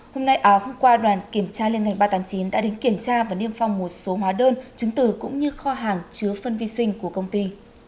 hôm nay hôm qua đoàn kiểm tra liên ngành ba trăm tám mươi chín đã đến kiểm tra và niêm phong một số hóa đơn chứng từ cũng như kho hàng chứa phân vi sinh của công ty